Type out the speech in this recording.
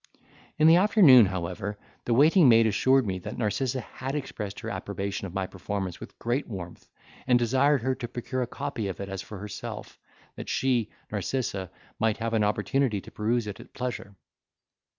In the afternoon, however, the waiting maid assured me that Narcissa had expressed her approbation of my performance with great warmth, and desired her to procure a copy of it as for herself, that she (Narcissa) might have an opportunity to peruse it at pleasure.